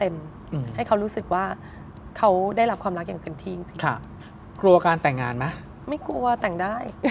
ไม่กลัวแต่งได้